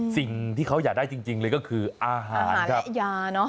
สิ่งที่เขาอยากได้จริงจริงเลยก็คืออาหารครับอาหารและยาเนอะ